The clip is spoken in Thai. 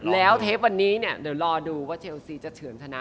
แล้วเทปวันนี้เนี่ยเดี๋ยวรอดูว่าเชลซีจะเฉือนธนา